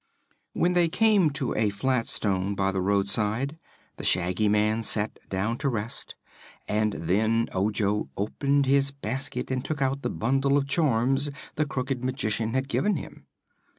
When they came to a flat stone by the roadside the Shaggy Man sat down to rest, and then Ojo opened his basket and took out the bundle of charms the Crooked Magician had given him.